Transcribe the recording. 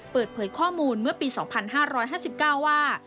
เปิดเผยข้อมูลเมื่อปี๒๕๕๙ว่า